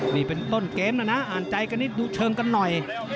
นี่เป็นต้นเกมนะนะอ่านใจกันนิดดูเชิงกันหน่อย